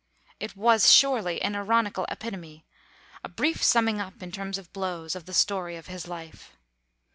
It was, surely, an ironical epitome, a brief summing up in terms of blows, of the story of his life.